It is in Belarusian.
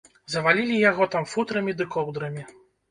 Завалілі яго там футрамі ды коўдрамі.